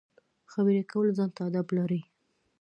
خبرې کول ځان ته اداب لري.